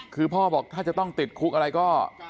คือพ่อบอกถ้าจะต้องติดคุกอะไรก็